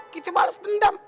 kita males dendam